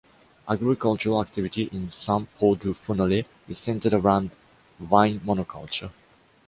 Agricultural activity in Sant Pau de Fenollet is centered around vine monoculture.